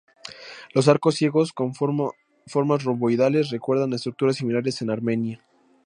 Los arcos ciegos con formas romboidales recuerdan a estructuras similares en Armenia.